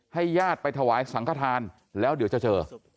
ญาติไปถวายสังขทานแล้วเดี๋ยวจะเจอ